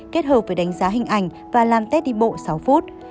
kết hợp với đánh giá hình ảnh và làm tét đi bộ sáu phút